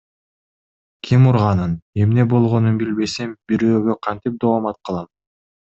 Ким урганын, эмне болгонун билбесем, бирөөгө кантип доомат кылам?